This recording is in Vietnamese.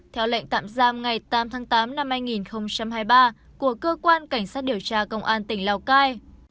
theo lệnh tạm giam ngày tám tháng tám năm hai nghìn hai mươi ba của cơ quan cảnh sát điều tra công an tỉnh lào cai